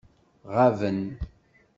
Ɣaben.